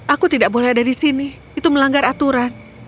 aku tidak boleh ada di sini itu melanggar aturan